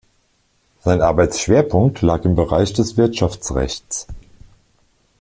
Sein Arbeitsschwerpunkt lag im Bereich des Wirtschaftsrechts.